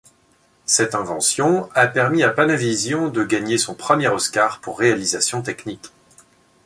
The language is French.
Cette invention a permis à Panavision de gagner son premier Oscar pour réalisations techniques.